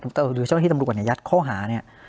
หรือเจ้าหน้าที่ตำรุกกันยัดข้อหาเนี่ย